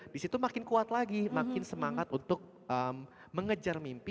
disitu makin kuat lagi makin semangat untuk mengejar mimpi